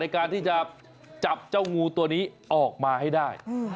การที่จะจับเจ้างูตัวนี้ออกมาให้ได้